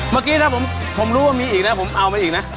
เมื่อกี้ถ้าผมรู้ว่ามีอีกนะผมเอามาอีกนะ